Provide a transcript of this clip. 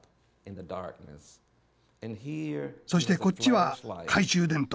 そしてこっちは懐中電灯。